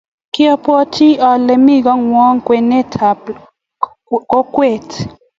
kiabatii alen me kongung kwenet ab kokwee.